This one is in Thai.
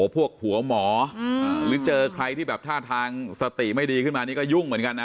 หัวหมอหรือเจอใครที่แบบท่าทางสติไม่ดีขึ้นมานี่ก็ยุ่งเหมือนกันนะ